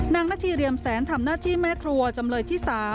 นาธีเรียมแสนทำหน้าที่แม่ครัวจำเลยที่๓